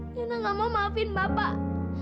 nenek gak mau maafin bapak